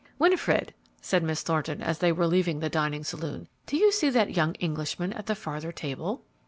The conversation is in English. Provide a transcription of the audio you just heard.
"Winifred," said Miss Thornton, as they were leaving the dining saloon, "do you see that young Englishman at the farther table?"